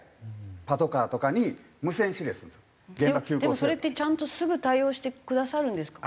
でもそれってちゃんとすぐ対応してくださるんですか？